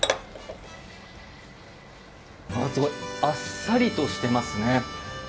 あっさりとしてますね。